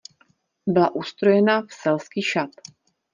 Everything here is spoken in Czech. Byla ustrojena v selský šat.